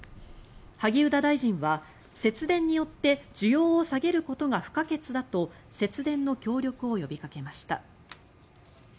萩生田大臣は、節電によって需要を下げることが不可欠だと節電の協力を呼びかけました。